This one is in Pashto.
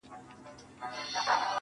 د هيندارو يوه لاره کي يې پرېښوم